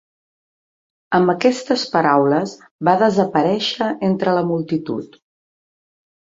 Amb aquestes paraules va desaparèixer entre la multitud.